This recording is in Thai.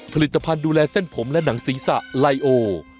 ผลิตภัณฑ์ดูแลเส้นผมและหนังศีรษะไลโอ